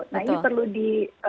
nah ini perlu di